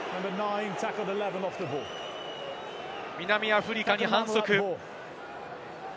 南アフリカに反則。